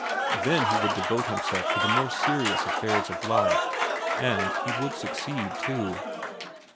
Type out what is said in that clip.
Then he would devote himself to the more serious affairs of life. And he would succeed, too.